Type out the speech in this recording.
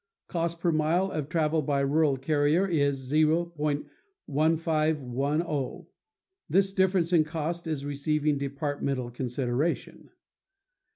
Cost per mile of travel by rural carrier is $0.1510. This difference in cost is receiving departmental consideration.